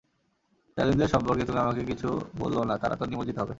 জালিমদের সম্পর্কে তুমি আমাকে কিছু বলল না, তারা তো নিমজ্জিত হবে।